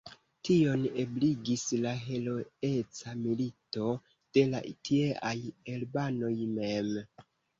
Tion ebligis la heroeca milito de la tieaj albanoj mem.